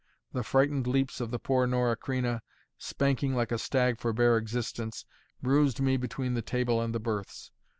The frightened leaps of the poor Norah Creina, spanking like a stag for bare existence, bruised me between the table and the berths.